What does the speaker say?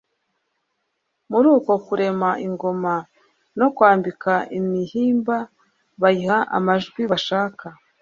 Muri uko kurema ingoma no kwambika imihimba bayiha amajwi bashaka,